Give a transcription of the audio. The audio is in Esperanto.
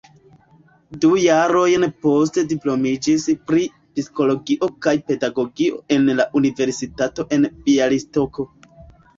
Du jarojn poste diplomiĝis pri psikologio kaj pedagogio en la Universitato en Bjalistoko.